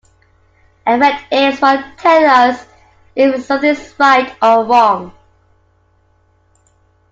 Affect is what tells us if something is right or wrong.